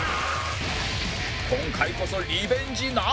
今回こそリベンジなるか？